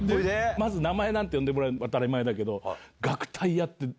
まず名前なんて呼んでもらえない当たり前だけど。